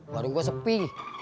baru gua sepi